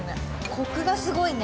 コクがすごいね。